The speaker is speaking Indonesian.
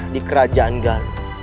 di kerajaan galuh